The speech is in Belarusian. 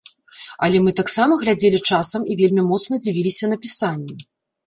Але мы таксама глядзелі часам і вельмі моцна дзівіліся напісанню.